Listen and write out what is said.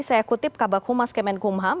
saya kutip kabak humas kemen kumham